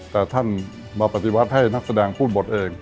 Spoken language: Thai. แต่ท่านมาปฏิวัติให้นักแสดงพูดบทเอง